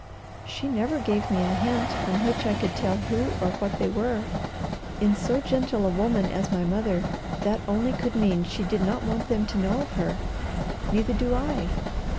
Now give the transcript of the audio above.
"She never gave me a hint from which I could tell who or where they were. In so gentle a woman as my mother that only could mean she did not want them to know of her. Neither do I.